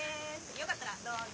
よかったらどうぞ。